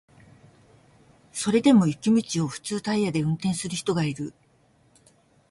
それでも雪道を普通タイヤで運転する人がいる